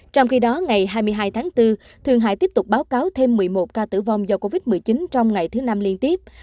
trong khi đó ngày hai mươi hai tháng bốn thường hải tiếp tục báo cáo thêm một mươi một ca tử vong do covid một mươi chín trong ngày thứ năm liên tiếp